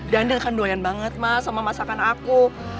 dandel kan doyan banget mas sama masakan aku